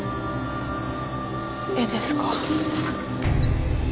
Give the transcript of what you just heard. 「え」ですか？